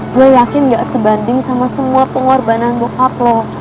gue yakin gak sebanding sama semua pengorbanan bokap loh